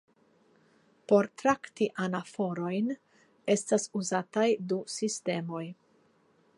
Por trakti anaforojn estas uzataj du sistemoj.